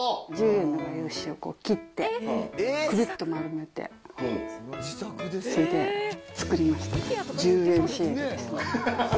１０円の画用紙を切ってくるっと丸めて、それで作りました。